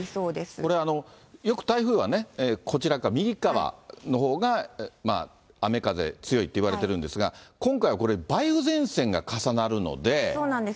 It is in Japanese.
これ、よく台風はね、こちら側、右側のほうが雨風強いといわれているんですが、今回はこれ、そうなんです。